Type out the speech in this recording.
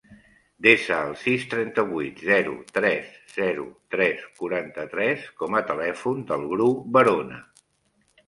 Desa el sis, trenta-vuit, zero, tres, zero, tres, quaranta-tres com a telèfon del Bru Barona.